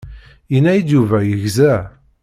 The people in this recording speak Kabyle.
Yenna-yi-d Yuba yegza.